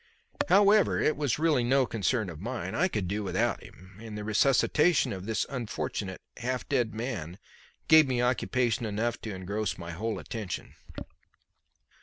However, it was really no concern of mine. I could do without him, and the resuscitation of this unfortunate half dead man gave me occupation enough to engross my whole attention.